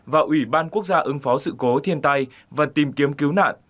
và ubnd ứng phó sự cố thiên tai và tìm kiếm cứu nạn